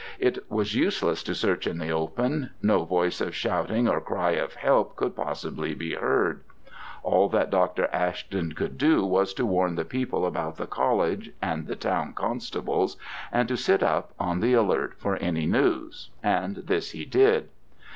It was useless to search in the open: no voice of shouting or cry for help could possibly be heard. All that Dr. Ashton could do was to warn the people about the college, and the town constables, and to sit up, on the alert for any news, and this he did.